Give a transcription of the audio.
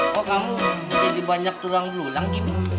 kok kamu jadi banyak tulang bululang kini